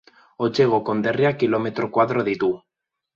Otsego konderriak kilometro koadro ditu.